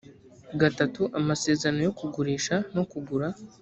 iii amasezerano yo kugurisha no kugura